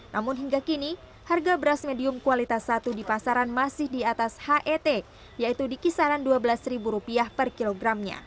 namun hingga kini harga beras medium kualitas satu di pasaran masih di atas het yaitu di kisaran rp dua belas per kilogramnya